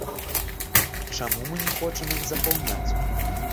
Чаму мы не хочам іх запаўняць?